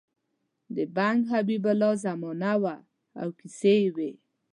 د بنګ حبیب الله زمانه وه او کیسې یې وې.